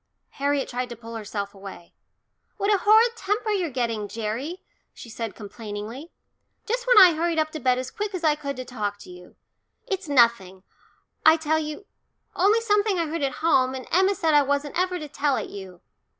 Harriet tried to pull herself away. "What a horrid temper you're getting, Gerry," she said complainingly. "Just when I hurried up to bed as quick as I could to talk to you. It's nothing, I tell you only something I heard at home, and Emma said I wasn't ever to tell it you."